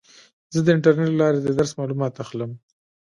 زه د انټرنیټ له لارې د درس معلومات اخلم.